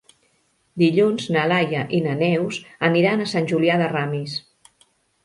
Dilluns na Laia i na Neus aniran a Sant Julià de Ramis.